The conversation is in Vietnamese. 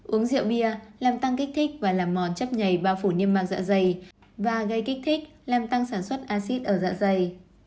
uống rượu bia làm tăng kích thích và làm mòn chấp nhầy bao phủ niêm mạc dạ dày và gây kích thích làm tăng sản xuất acid ở dạ dày